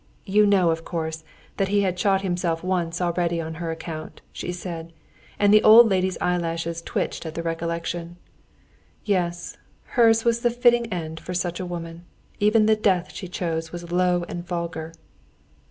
You know, of course, that he had shot himself once already on her account," she said, and the old lady's eyelashes twitched at the recollection. "Yes, hers was the fitting end for such a woman. Even the death she chose was low and vulgar."